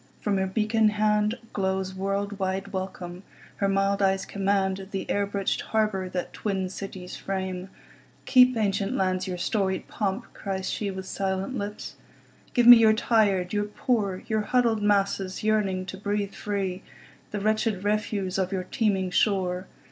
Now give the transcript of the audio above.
From her beacon handGlows world wide welcome; her mild eyes commandThe air bridged harbour that twin cities frame."Keep, ancient lands, your storied pomp!" cries sheWith silent lips. "Give me your tired, your poor, Your huddled masses yearning to breathe free, The wretched refuse of your teeming shore.